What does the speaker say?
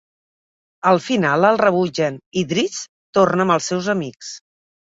Al final el rebutgen i Drizzt torna amb els seus amics.